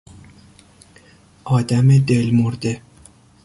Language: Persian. آدم دلمرده